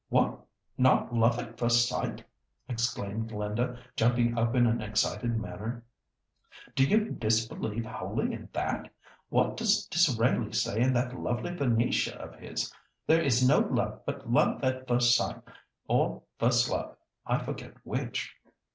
"What, not love at first sight?" exclaimed Linda, jumping up in an excited manner. "Do you disbelieve wholly in that? What does Disraeli say in that lovely Venetia of his? 'There is no love but love at first sight,' or first love, I forget which."